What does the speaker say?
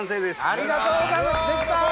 ありがとうございます！